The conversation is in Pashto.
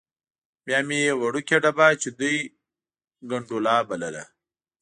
بیا مې یوه وړوکې ډبه چې دوی ګنډولا بلله.